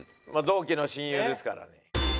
まあ同期の親友ですからね。